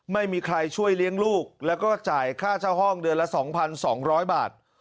ไม่มีใครช่วยเลี้ยงลูกแล้วก็จ่ายค่าเช่าห้องเดือนละ๒๒๐๐บาท